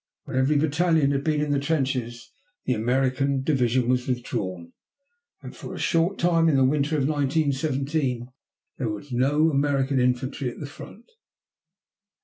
When every battalion had been in the trenches the American division was withdrawn, and for a short time in the winter of 1917 there was no American infantry at the front.